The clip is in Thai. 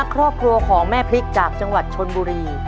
ครอบครัวของแม่พริกจากจังหวัดชนบุรี